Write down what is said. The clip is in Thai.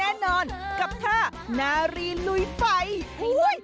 ผัวไปเถินเอาผัวไปเถินเอาผัวไปเถิน